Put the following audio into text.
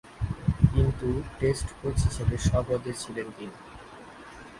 কিন্তু, টেস্টে কোচ হিসেবে স্ব-পদে ছিলেন তিনি।